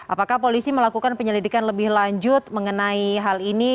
apakah polisi melakukan penyelidikan lebih lanjut mengenai hal ini